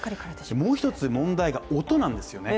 もう一つ問題が、音なんですよね。